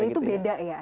itu beda ya